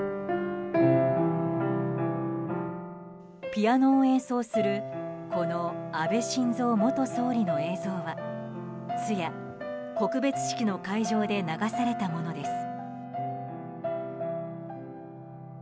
ピアノを演奏するこの安倍晋三元総理の映像は通夜・告別式の会場で流されたものです。